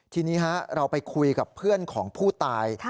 ทีนี้เราไปคุยกับเพื่อนของผู้ตาย